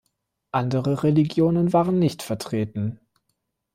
Andere Religionen waren nicht vertreten.